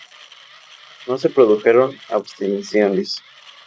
No se produjeron abstenciones.